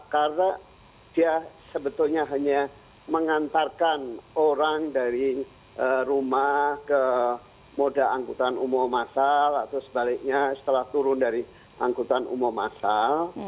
karena dia sebetulnya hanya mengantarkan orang dari rumah ke moda angkutan umum masal atau sebaliknya setelah turun dari angkutan umum masal